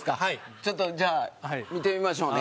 ちょっとじゃあ見てみましょうね。